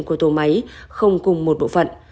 của tổ máy không cùng một bộ phận